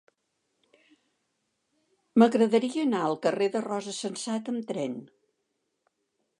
M'agradaria anar al carrer de Rosa Sensat amb tren.